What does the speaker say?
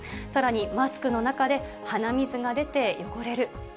さらにマスクの中で鼻水が出て汚れる。